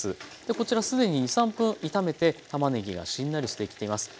こちら既に２３分炒めてたまねぎがしんなりしてきています。